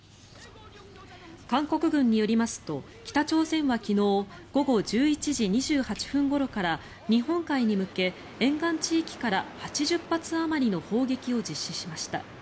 韓国軍によりますと、北朝鮮は昨日午後１１時２８分ごろから日本海に向け、沿岸地域から８０発あまりの砲撃を実施しました。